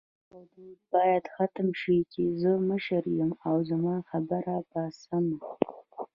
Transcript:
دا دود باید ختم شې چی زه مشر یم او زما خبره به سمه